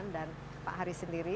dan pak haris sendiri